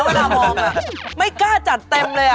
เวลามองไม่กล้าจัดเต็มเลย